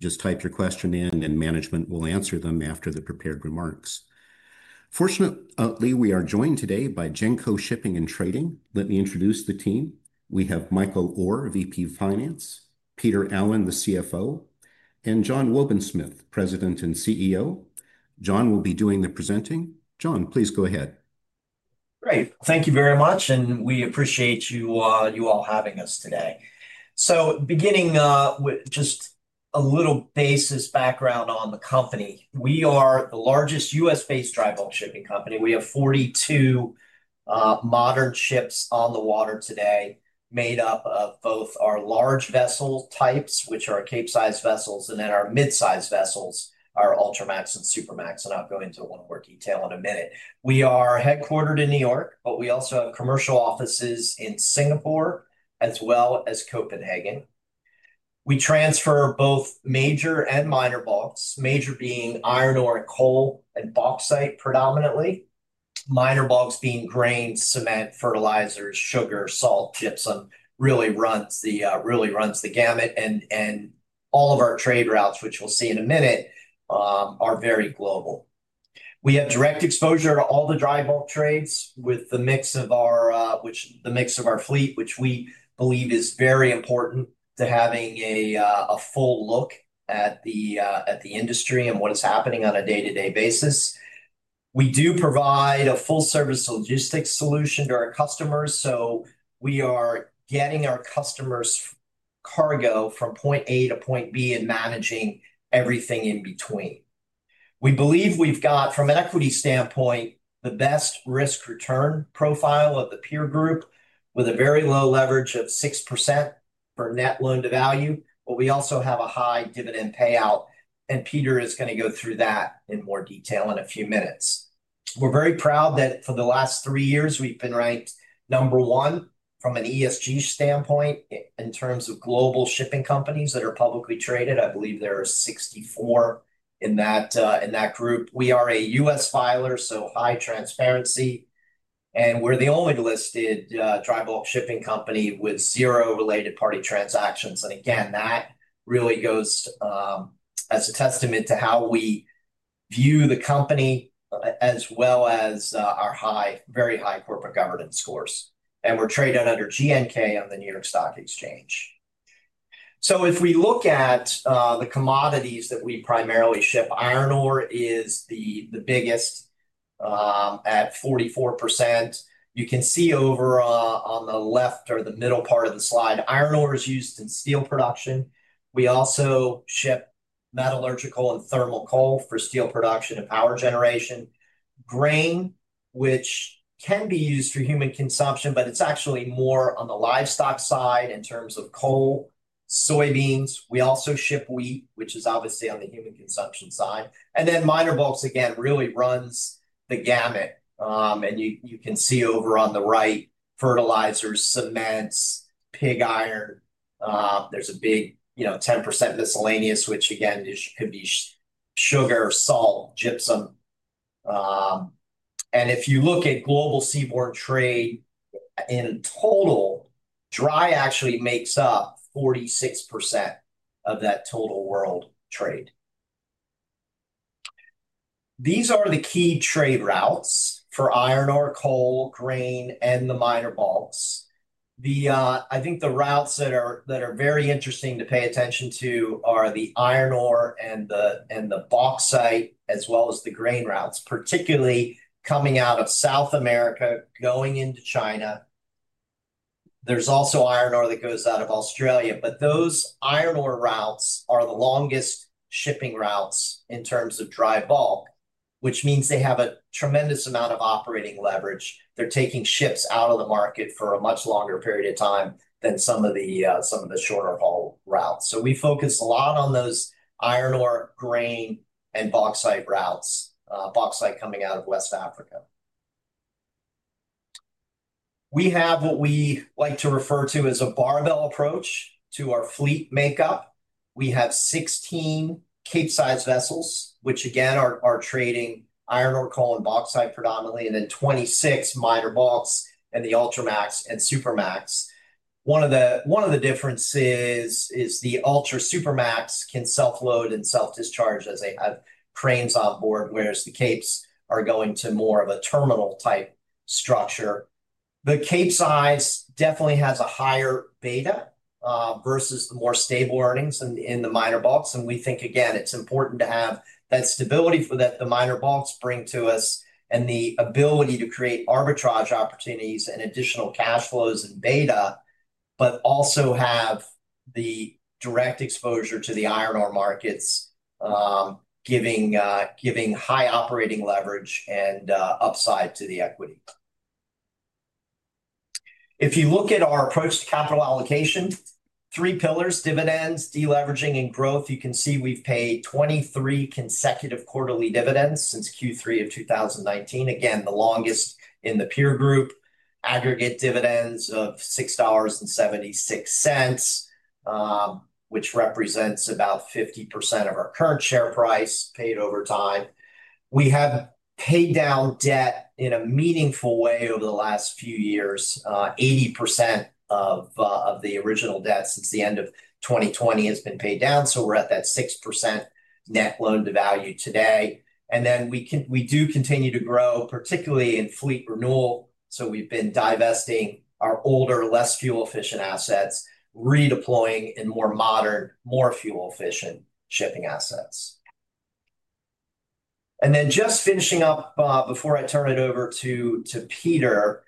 Just type your question in, and management will answer them after the prepared remarks. Fortunately, we are joined today by Genco Shipping & Trading. Let me introduce the team. We have Michael Orr, VP Finance; Peter Allen, the CFO; and John Wobensmith, President and CEO. John will be doing the presenting. John, please go ahead. Great. Thank you very much, and we appreciate you all having us today. Beginning with just a little basis background on the company, we are the largest U.S.-based dry bulk shipping company. We have 42 modern ships on the water today, made up of both our large vessel types, which are Capesize vessels, and then our mid-sized vessels, our UltraMax and SuperMax, and I'll go into one more detail in a minute. We are headquartered in New York, but we also have commercial offices in Singapore as well as Copenhagen. We transfer both major and minor bulks, major being iron ore and coal and bauxite predominantly, minor bulks being grain, cement, fertilizers, sugar, salt, gypsum, really runs the gamut. All of our trade routes, which we'll see in a minute, are very global. We have direct exposure to all the dry bulk trades with the mix of our fleet, which we believe is very important to having a full look at the industry and what is happening on a day-to-day basis. We do provide a full-service logistics solution to our customers, so we are getting our customers' cargo from point A to point B and managing everything in between. We believe we've got, from an equity standpoint, the best risk-return profile of the peer group with a very low leverage of 6% for net loan to value, but we also have a high dividend payout, and Peter is going to go through that in more detail in a few minutes. We're very proud that for the last three years, we've been ranked number one from an ESG standpoint in terms of global shipping companies that are publicly traded. I believe there are 64 in that group. We are a U.S. filer, so high transparency, and we are the only listed dry bulk shipping company with zero related party transactions. That really goes as a testament to how we view the company as well as our very high corporate governance scores. We are traded under GNK on the New York Stock Exchange. If we look at the commodities that we primarily ship, iron ore is the biggest at 44%. You can see over on the left or the middle part of the slide, iron ore is used in steel production. We also ship metallurgical and thermal coal for steel production and power generation. Grain, which can be used for human consumption, but it is actually more on the livestock side in terms of corn, soybeans. We also ship wheat, which is obviously on the human consumption side. Minor bulks, again, really runs the gamut. You can see over on the right, fertilizers, cements, pig iron. There is a big 10% miscellaneous, which again could be sugar, salt, gypsum. If you look at global seaborne trade, in total, dry actually makes up 46% of that total world trade. These are the key trade routes for iron ore, coal, grain, and the minor bulks. I think the routes that are very interesting to pay attention to are the iron ore and the bauxite, as well as the grain routes, particularly coming out of South America, going into China. There is also iron ore that goes out of Australia, but those iron ore routes are the longest shipping routes in terms of dry bulk, which means they have a tremendous amount of operating leverage. They're taking ships out of the market for a much longer period of time than some of the shorter haul routes. We focus a lot on those iron ore, grain, and bauxite routes, bauxite coming out of West Africa. We have what we like to refer to as a barbell approach to our fleet makeup. We have 16 Capesize vessels, which again are trading iron ore, coal, and bauxite predominantly, and then 26 minor bulks and the UltraMax and SuperMax. One of the differences is the UltraMax and SuperMax can self-load and self-discharge as they have cranes on board, whereas the Capes are going to more of a terminal type structure. The Capesize definitely has a higher beta versus the more stable earnings in the minor bulks. We think, again, it's important to have that stability that the minor bulks bring to us and the ability to create arbitrage opportunities and additional cash flows and beta, but also have the direct exposure to the iron ore markets, giving high operating leverage and upside to the equity. If you look at our approach to capital allocation, three pillars: dividends, deleveraging, and growth. You can see we've paid 23 consecutive quarterly dividends since Q3 of 2019, again, the longest in the peer group, aggregate dividends of $6.76, which represents about 50% of our current share price paid over time. We have paid down debt in a meaningful way over the last few years. 80% of the original debt since the end of 2020 has been paid down, so we're at that 6% net loan to value today. We do continue to grow, particularly in fleet renewal. We have been divesting our older, less fuel-efficient assets, redeploying in more modern, more fuel-efficient shipping assets. Just finishing up before I turn it over to Peter,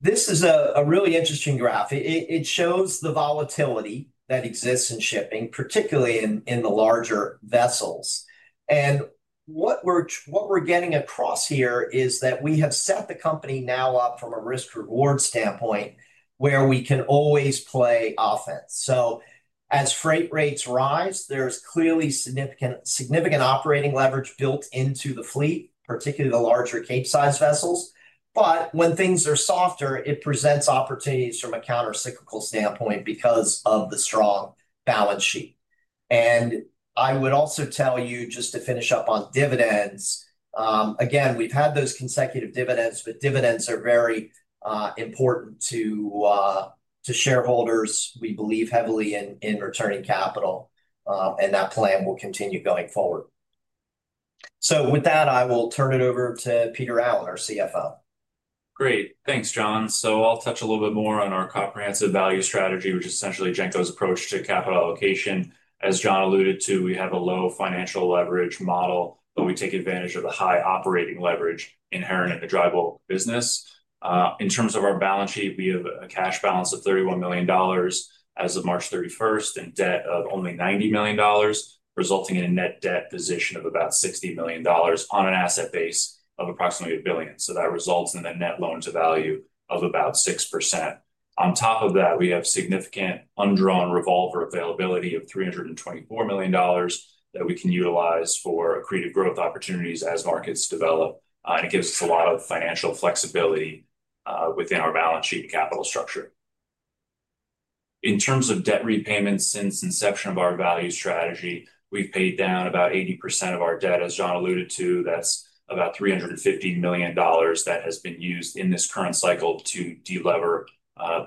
this is a really interesting graph. It shows the volatility that exists in shipping, particularly in the larger vessels. What we are getting across here is that we have set the company now up from a risk-reward standpoint where we can always play offense. As freight rates rise, there is clearly significant operating leverage built into the fleet, particularly the larger Capesize vessels. When things are softer, it presents opportunities from a countercyclical standpoint because of the strong balance sheet. I would also tell you, just to finish up on dividends, again, we have had those consecutive dividends, but dividends are very important to shareholders. We believe heavily in returning capital, and that plan will continue going forward. With that, I will turn it over to Peter Allen, our CFO. Great. Thanks, John. So I'll touch a little bit more on our comprehensive value strategy, which is essentially Genco's approach to capital allocation. As John alluded to, we have a low financial leverage model, but we take advantage of the high operating leverage inherent in the dry bulk business. In terms of our balance sheet, we have a cash balance of $31 million as of March 31 and debt of only $90 million, resulting in a net debt position of about $60 million on an asset base of approximately $1 billion. That results in a net loan to value of about 6%. On top of that, we have significant undrawn revolver availability of $324 million that we can utilize for accretive growth opportunities as markets develop. It gives us a lot of financial flexibility within our balance sheet and capital structure. In terms of debt repayment, since inception of our value strategy, we've paid down about 80% of our debt, as John alluded to. That's about $350 million that has been used in this current cycle to delever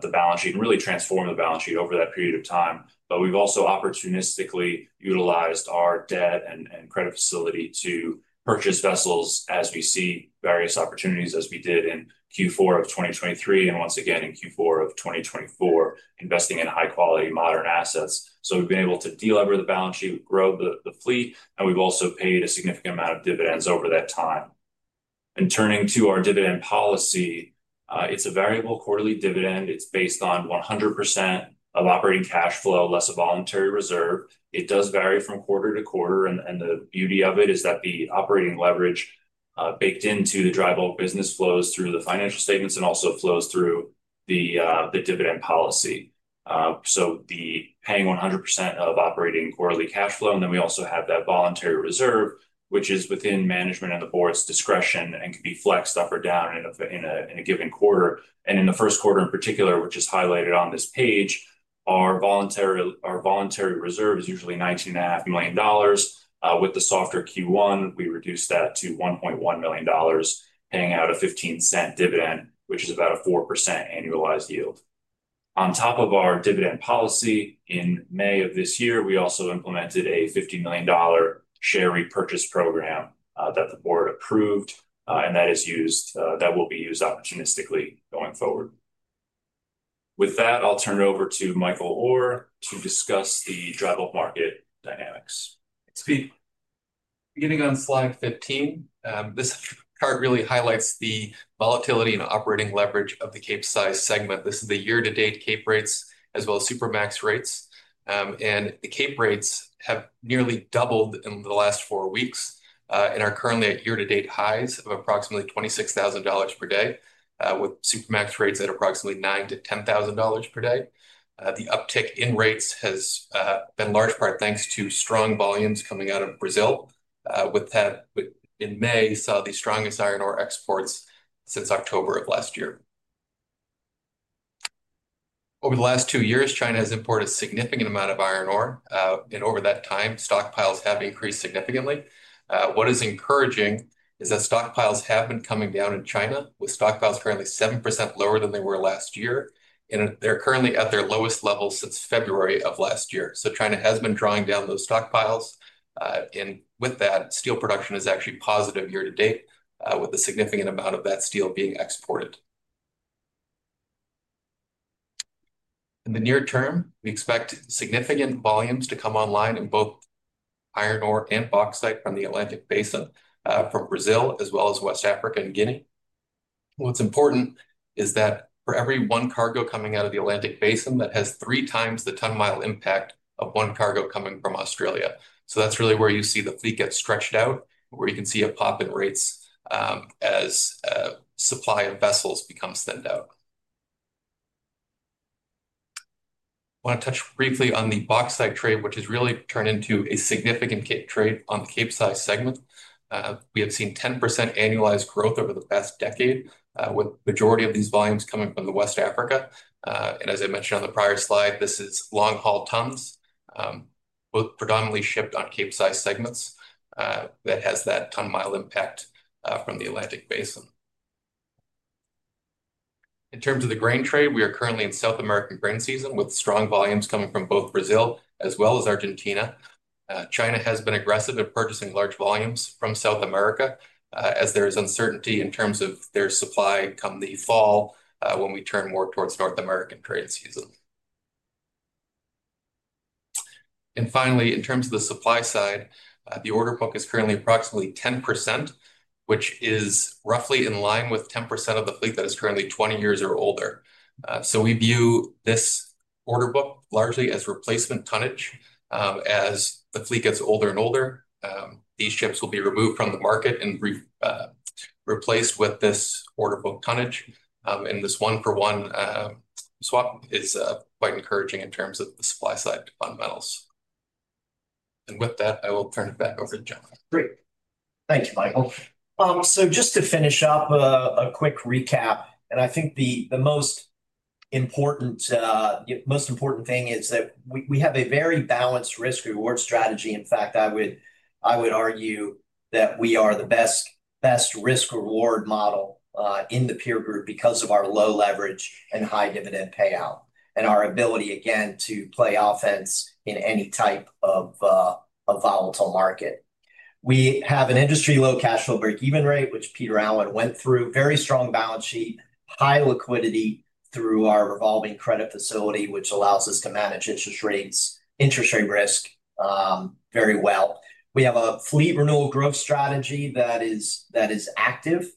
the balance sheet and really transform the balance sheet over that period of time. We've also opportunistically utilized our debt and credit facility to purchase vessels as we see various opportunities, as we did in Q4 of 2023 and once again in Q4 of 2024, investing in high-quality modern assets. We've been able to delever the balance sheet, grow the fleet, and we've also paid a significant amount of dividends over that time. Turning to our dividend policy, it's a variable quarterly dividend. It's based on 100% of operating cash flow, less a voluntary reserve. It does vary from quarter to quarter. The beauty of it is that the operating leverage baked into the dry bulk business flows through the financial statements and also flows through the dividend policy. The paying 100% of operating quarterly cash flow. We also have that voluntary reserve, which is within management and the board's discretion and can be flexed up or down in a given quarter. In the first quarter in particular, which is highlighted on this page, our voluntary reserve is usually $19.5 million. With the softer Q1, we reduced that to $1.1 million, paying out a $0.15 dividend, which is about a 4% annualized yield. On top of our dividend policy, in May of this year, we also implemented a $50 million share repurchase program that the board approved, and that will be used opportunistically going forward. With that, I'll turn it over to Michael Orr to discuss the dry bulk market dynamics. Thanks, Pete. Beginning on slide 15, this chart really highlights the volatility and operating leverage of the cape-sized segment. This is the year-to-date cape rates as well as SuperMax rates. The cape rates have nearly doubled in the last four weeks and are currently at year-to-date highs of approximately $26,000 per day, with SuperMax rates at approximately $9,000-$10,000 per day. The uptick in rates has been in large part thanks to strong volumes coming out of Brazil, with that in May saw the strongest iron ore exports since October of last year. Over the last two years, China has imported a significant amount of iron ore, and over that time, stockpiles have increased significantly. What is encouraging is that stockpiles have been coming down in China, with stockpiles currently 7% lower than they were last year. They are currently at their lowest level since February of last year. China has been drawing down those stockpiles. With that, steel production is actually positive year-to-date, with a significant amount of that steel being exported. In the near term, we expect significant volumes to come online in both iron ore and bauxite from the Atlantic Basin, from Brazil, as well as West Africa and Guinea. What is important is that for every one cargo coming out of the Atlantic Basin, that has three times the ton-mile impact of one cargo coming from Australia. That is really where you see the fleet get stretched out, where you can see a pop in rates as supply of vessels becomes thinned out. I want to touch briefly on the bauxite trade, which has really turned into a significant cape trade on the cape-sized segment. We have seen 10% annualized growth over the past decade, with the majority of these volumes coming from West Africa. As I mentioned on the prior slide, this is long-haul tons, both predominantly shipped on cape-sized segments that has that ton-mile impact from the Atlantic Basin. In terms of the grain trade, we are currently in South American grain season with strong volumes coming from both Brazil as well as Argentina. China has been aggressive in purchasing large volumes from South America, as there is uncertainty in terms of their supply come the fall when we turn more towards North American grain season. Finally, in terms of the supply side, the order book is currently approximately 10%, which is roughly in line with 10% of the fleet that is currently 20 years or older. We view this order book largely as replacement tonnage. As the fleet gets older and older, these ships will be removed from the market and replaced with this order book tonnage. This one-for-one swap is quite encouraging in terms of the supply side fundamentals. With that, I will turn it back over to John. Great. Thanks, Michael. Just to finish up, a quick recap. I think the most important thing is that we have a very balanced risk-reward strategy. In fact, I would argue that we are the best risk-reward model in the peer group because of our low leverage and high dividend payout and our ability, again, to play offense in any type of volatile market. We have an industry low cash flow break-even rate, which Peter Allen went through, very strong balance sheet, high liquidity through our revolving credit facility, which allows us to manage interest rate risk very well. We have a fleet renewal growth strategy that is active,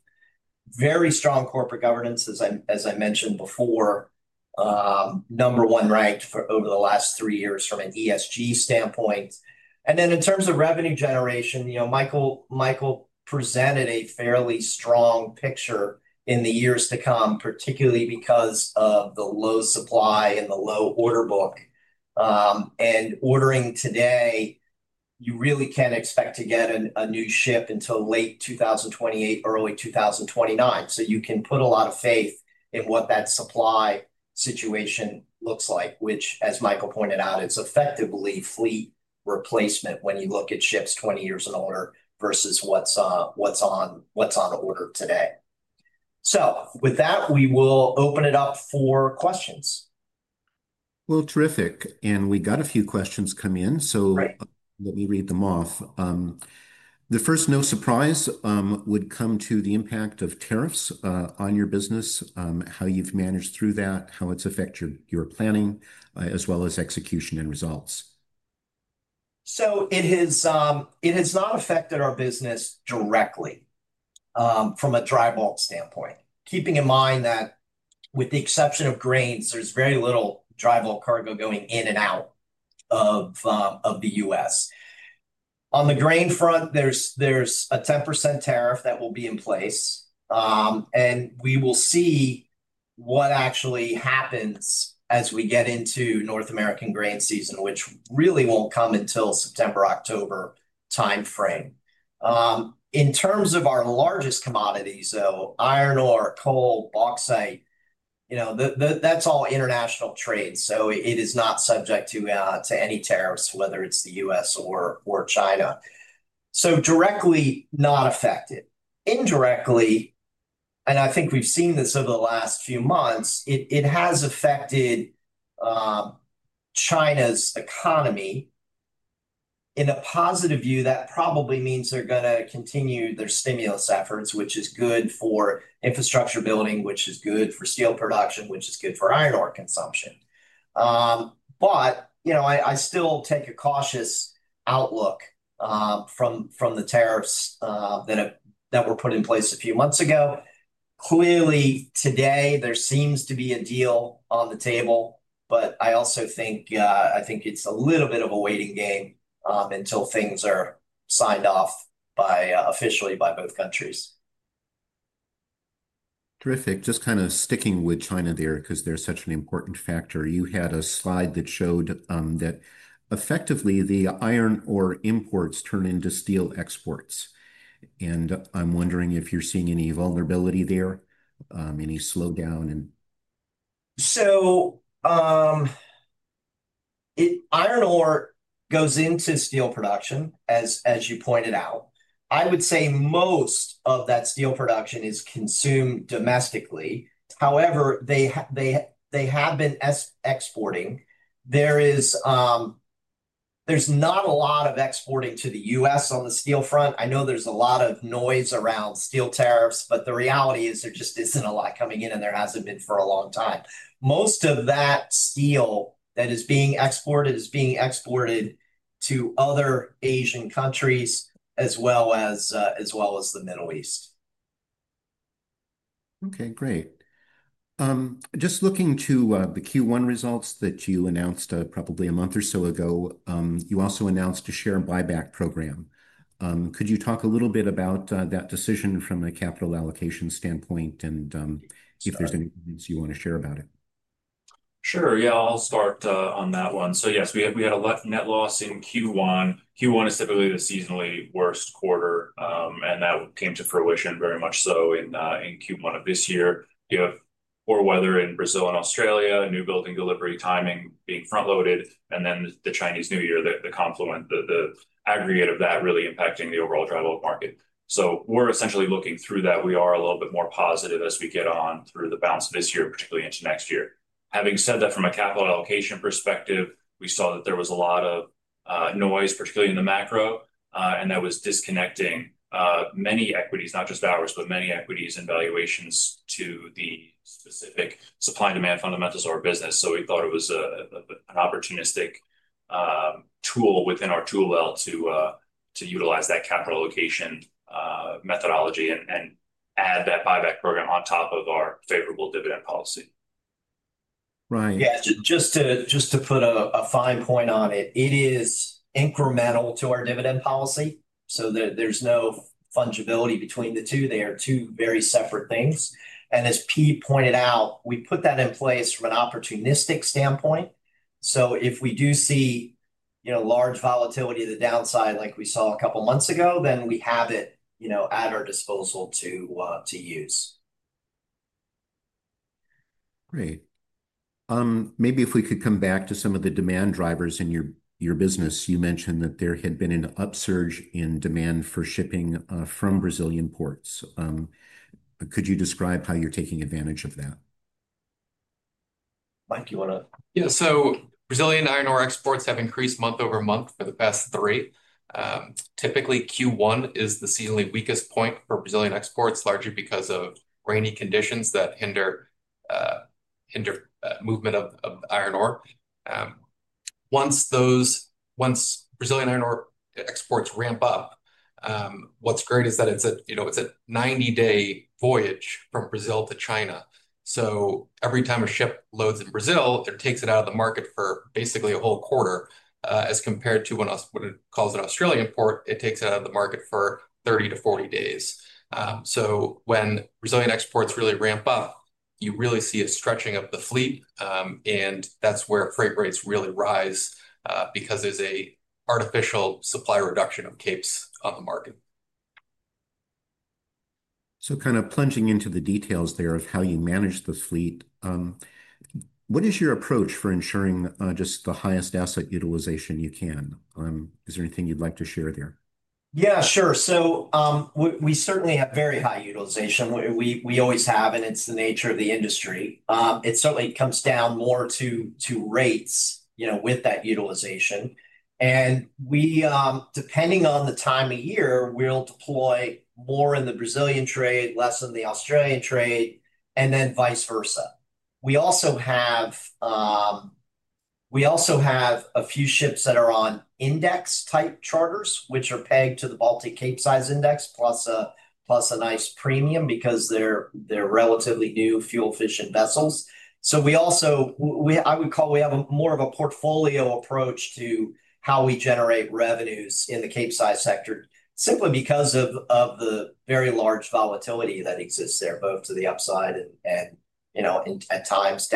very strong corporate governance, as I mentioned before, number one ranked for over the last three years from an ESG standpoint. In terms of revenue generation, Michael presented a fairly strong picture in the years to come, particularly because of the low supply and the low order book. Ordering today, you really cannot expect to get a new ship until late 2028, early 2029. You can put a lot of faith in what that supply situation looks like, which, as Michael pointed out, is effectively fleet replacement when you look at ships 20 years and older versus what is on order today. With that, we will open it up for questions. Terrific. We got a few questions come in, so let me read them off. The first, no surprise, would come to the impact of tariffs on your business, how you've managed through that, how it's affected your planning, as well as execution and results. It has not affected our business directly from a dry bulk standpoint, keeping in mind that with the exception of grains, there is very little dry bulk cargo going in and out of the U.S. On the grain front, there is a 10% tariff that will be in place. We will see what actually happens as we get into North American grain season, which really will not come until September, October timeframe. In terms of our largest commodities, though, iron ore, coal, bauxite, that is all international trade. It is not subject to any tariffs, whether it is the U.S. or China. Directly, not affected. Indirectly, and I think we have seen this over the last few months, it has affected China's economy in a positive view. That probably means they're going to continue their stimulus efforts, which is good for infrastructure building, which is good for steel production, which is good for iron ore consumption. I still take a cautious outlook from the tariffs that were put in place a few months ago. Clearly, today, there seems to be a deal on the table, but I also think it's a little bit of a waiting game until things are signed off officially by both countries. Terrific. Just kind of sticking with China there because they're such an important factor. You had a slide that showed that effectively the iron ore imports turn into steel exports. And I'm wondering if you're seeing any vulnerability there, any slowdown. Iron ore goes into steel production, as you pointed out. I would say most of that steel production is consumed domestically. However, they have been exporting. There is not a lot of exporting to the U.S. on the steel front. I know there is a lot of noise around steel tariffs, but the reality is there just is not a lot coming in, and there has not been for a long time. Most of that steel that is being exported is being exported to other Asian countries as well as the Middle East. Okay, great. Just looking to the Q1 results that you announced probably a month or so ago, you also announced a share buyback program. Could you talk a little bit about that decision from a capital allocation standpoint and see if there's anything else you want to share about it? Sure. Yeah, I'll start on that one. So yes, we had a net loss in Q1. Q1 is typically the seasonally worst quarter, and that came to fruition very much so in Q1 of this year. You have poor weather in Brazil and Australia, new building delivery timing being front-loaded, and then the Chinese New Year, the confluent, the aggregate of that really impacting the overall dry bulk market. So we're essentially looking through that. We are a little bit more positive as we get on through the balance of this year, particularly into next year. Having said that, from a capital allocation perspective, we saw that there was a lot of noise, particularly in the macro, and that was disconnecting many equities, not just ours, but many equities and valuations to the specific supply and demand fundamentals of our business. We thought it was an opportunistic tool within our tool belt to utilize that capital allocation methodology and add that buyback program on top of our favorable dividend policy. Right. Yeah, just to put a fine point on it, it is incremental to our dividend policy. There is no fungibility between the two. They are two very separate things. As Pete pointed out, we put that in place from an opportunistic standpoint. If we do see large volatility to the downside like we saw a couple of months ago, then we have it at our disposal to use. Great. Maybe if we could come back to some of the demand drivers in your business. You mentioned that there had been an upsurge in demand for shipping from Brazilian ports. Could you describe how you're taking advantage of that? Mike, you want to? Yeah. Brazilian iron ore exports have increased month over month for the past three. Typically, Q1 is the seasonally weakest point for Brazilian exports, largely because of rainy conditions that hinder movement of iron ore. Once Brazilian iron ore exports ramp up, what's great is that it's a 90-day voyage from Brazil to China. Every time a ship loads in Brazil, it takes it out of the market for basically a whole quarter. As compared to when it calls an Australian port, it takes it out of the market for 30-40 days. When Brazilian exports really ramp up, you really see a stretching of the fleet, and that's where freight rates really rise because there's an artificial supply reduction of capes on the market. Kind of plunging into the details there of how you manage the fleet, what is your approach for ensuring just the highest asset utilization you can? Is there anything you'd like to share there? Yeah, sure. So we certainly have very high utilization. We always have, and it's the nature of the industry. It certainly comes down more to rates with that utilization. Depending on the time of year, we'll deploy more in the Brazilian trade, less in the Australian trade, and then vice versa. We also have a few ships that are on index-type charters, which are pegged to the Baltic Cape Size Index, plus a nice premium because they're relatively new, fuel-efficient vessels. I would call we have more of a portfolio approach to how we generate revenues in the cape-sized sector, simply because of the very large volatility that exists there, both to the upside and at times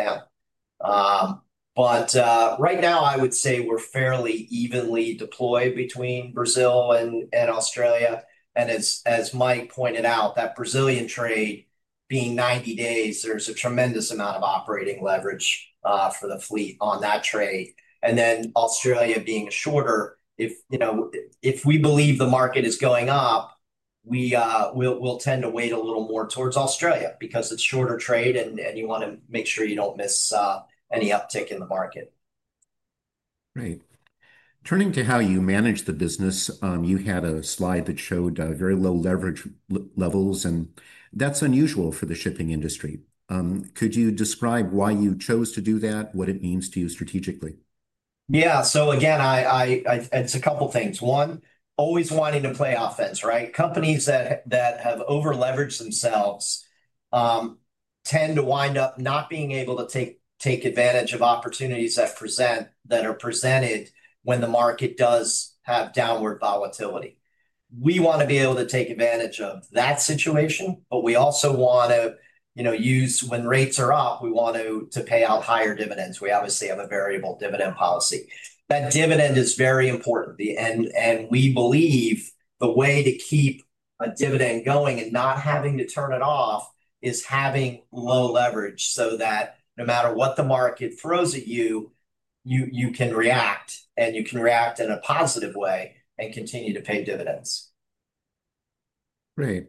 down. Right now, I would say we're fairly evenly deployed between Brazil and Australia. As Mike pointed out, that Brazilian trade being 90 days, there's a tremendous amount of operating leverage for the fleet on that trade. Australia being shorter, if we believe the market is going up, we'll tend to wait a little more towards Australia because it's shorter trade, and you want to make sure you don't miss any uptick in the market. Right. Turning to how you manage the business, you had a slide that showed very low leverage levels, and that's unusual for the shipping industry. Could you describe why you chose to do that, what it means to you strategically? Yeah. So again, it's a couple of things. One, always wanting to play offense, right? Companies that have over-leveraged themselves tend to wind up not being able to take advantage of opportunities that are presented when the market does have downward volatility. We want to be able to take advantage of that situation, but we also want to use when rates are up, we want to pay out higher dividends. We obviously have a variable dividend policy. That dividend is very important. And we believe the way to keep a dividend going and not having to turn it off is having low leverage so that no matter what the market throws at you, you can react, and you can react in a positive way and continue to pay dividends. Right.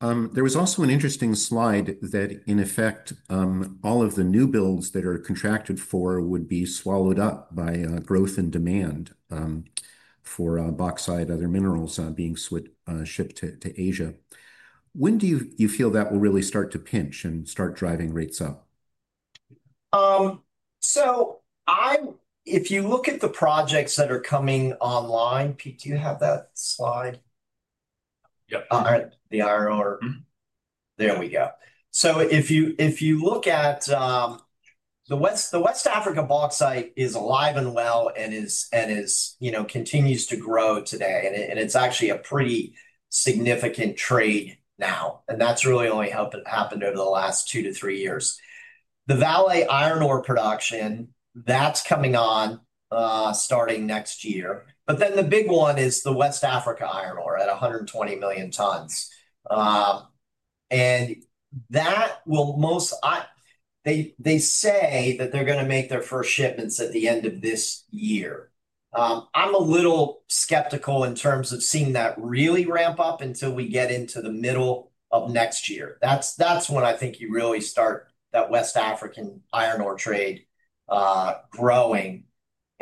There was also an interesting slide that, in effect, all of the new builds that are contracted for would be swallowed up by growth and demand for bauxite and other minerals being shipped to Asia. When do you feel that will really start to pinch and start driving rates up? If you look at the projects that are coming online, Pete, do you have that slide? Yep. All right. The IRR. There we go. If you look at the West African bauxite, it is alive and well and continues to grow today. It is actually a pretty significant trade now, and that has really only happened over the last two to three years. The Vale iron ore production, that is coming on starting next year. The big one is the West Africa iron ore at 120 million tons. They say that they are going to make their first shipments at the end of this year. I am a little skeptical in terms of seeing that really ramp up until we get into the middle of next year. That is when I think you really start that West African iron ore trade growing.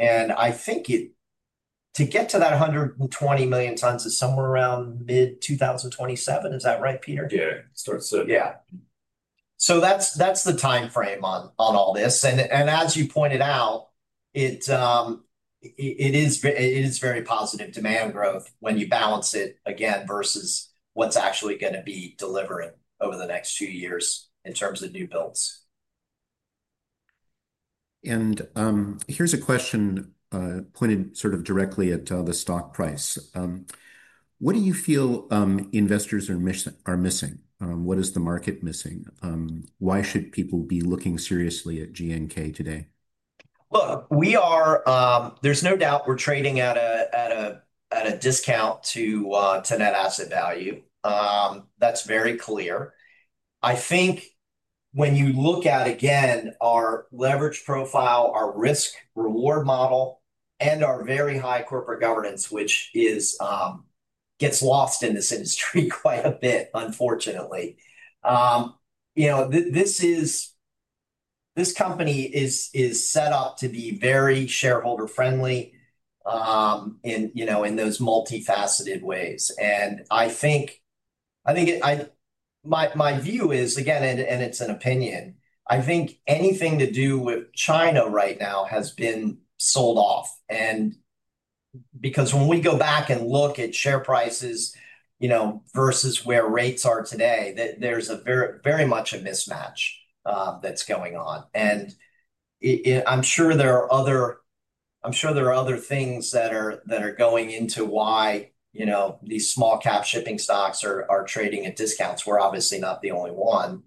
I think to get to that 120 million tons is somewhere around mid-2027. Is that right, Peter? Yeah. Yeah. That's the timeframe on all this. And as you pointed out, it is very positive demand growth when you balance it again versus what's actually going to be delivered over the next few years in terms of new builds. Here's a question pointed sort of directly at the stock price. What do you feel investors are missing? What is the market missing? Why should people be looking seriously at GNK today? There's no doubt we're trading at a discount to net asset value. That's very clear. I think when you look at, again, our leverage profile, our risk-reward model, and our very high corporate governance, which gets lost in this industry quite a bit, unfortunately. This company is set up to be very shareholder-friendly in those multifaceted ways. I think my view is, again, and it's an opinion, I think anything to do with China right now has been sold off. Because when we go back and look at share prices versus where rates are today, there's very much a mismatch that's going on. I'm sure there are other things that are going into why these small-cap shipping stocks are trading at discounts. We're obviously not the only one.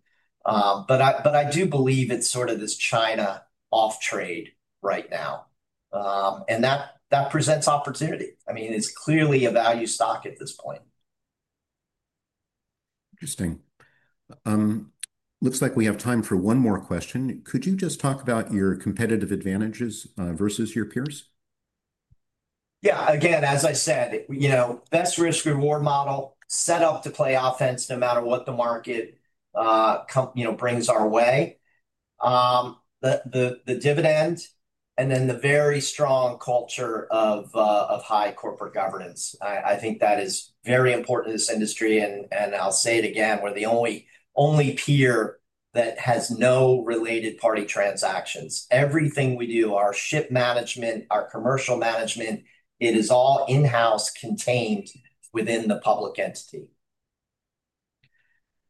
I do believe it's sort of this China off-trade right now. That presents opportunity. I mean, it's clearly a value stock at this point. Interesting. Looks like we have time for one more question. Could you just talk about your competitive advantages versus your peers? Yeah. Again, as I said, best risk-reward model, set up to play offense no matter what the market brings our way. The dividend and then the very strong culture of high corporate governance. I think that is very important in this industry. I'll say it again, we're the only peer that has no related-party transactions. Everything we do, our ship management, our commercial management, it is all in-house contained within the public entity.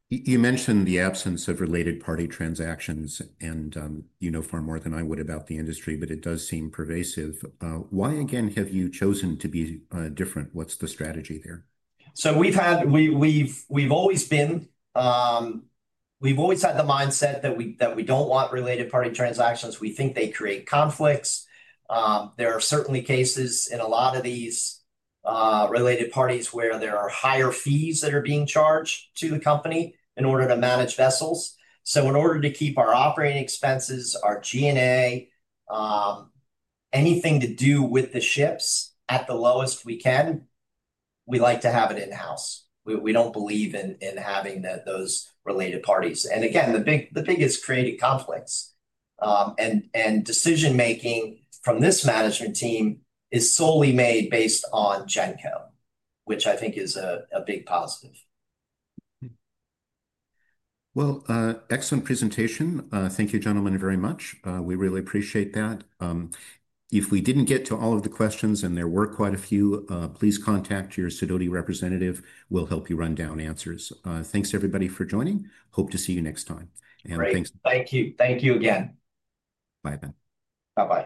You mentioned the absence of related-party transactions, and you know far more than I would about the industry, but it does seem pervasive. Why, again, have you chosen to be different? What's the strategy there? We've always had the mindset that we don't want related-party transactions. We think they create conflicts. There are certainly cases in a lot of these related parties where there are higher fees that are being charged to the company in order to manage vessels. In order to keep our operating expenses, our G&A, anything to do with the ships at the lowest we can, we like to have it in-house. We don't believe in having those related parties. Again, the biggest created conflicts. Decision-making from this management team is solely made based on Genco, which I think is a big positive. Excellent presentation. Thank you, gentlemen, very much. We really appreciate that. If we did not get to all of the questions, and there were quite a few, please contact your Sidoti representative. We will help you run down answers. Thanks, everybody, for joining. Hope to see you next time. Thanks. Thank you. Thank you again. Bye then. Bye-bye.